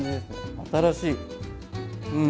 新しいうん！